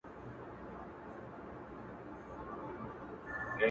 • هغه زه یم چي په مینه مي فرهاد سوري کول غرونه -